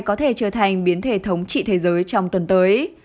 nó sẽ trở thành biến thể thống trị thế giới trong tuần tới